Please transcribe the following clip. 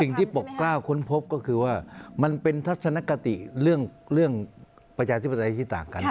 ปกกล้าวค้นพบก็คือว่ามันเป็นทัศนคติเรื่องประชาธิปไตยที่ต่างกัน